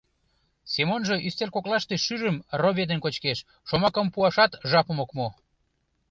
Семонжо ӱстел коклаште шӱрым роведын кочкеш, шомакым пуашат жапым ок му.